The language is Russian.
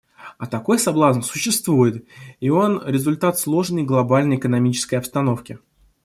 А такой соблазн существует, и он результат сложной глобальной экономической обстановки.